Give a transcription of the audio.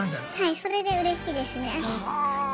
それでうれしいですね。